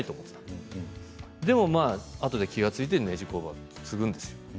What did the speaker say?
でも、あとから気が付いてねじ工場を継ぐんですよ。